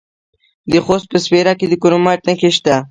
د خوست په سپیره کې د کرومایټ نښې شته.